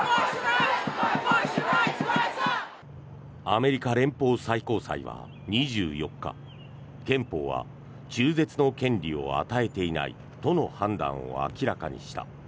アメリカ連邦最高裁は２４日憲法は中絶の権利を与えていないとの判断を明らかにした。